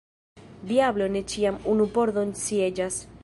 Diablo ne ĉiam unu pordon sieĝas.